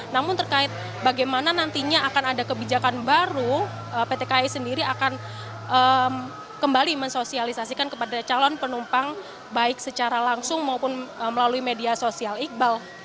namun terkait bagaimana nantinya akan ada kebijakan baru pt kai sendiri akan kembali mensosialisasikan kepada calon penumpang baik secara langsung maupun melalui media sosial iqbal